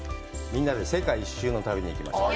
みんなで世界一周の旅に行きましょう。